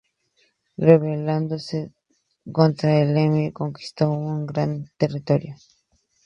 Rebelándose contra el emir, conquistó un gran territorio.